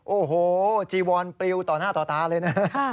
โอ้โหจีวอนปลิวต่อหน้าต่อตาเลยนะ